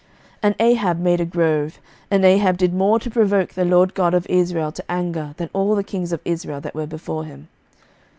11:016:033 And Ahab made a grove; and Ahab did more to provoke the LORD God of Israel to anger than all the kings of Israel that were before him.